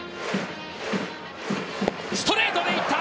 ストレートでいった！